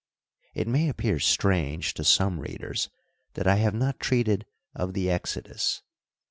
It may appear strange to some readers that I have not treated of the Exodus.